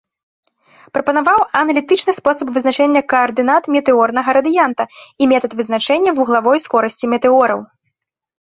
Прапанаваў аналітычны спосаб вызначэння каардынат метэорнага радыянта і метад вызначэння вуглавой скорасці метэораў.